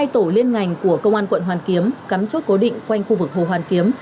hai tổ liên ngành của công an quận hoàn kiếm cắm chốt cố định quanh khu vực hồ hoàn kiếm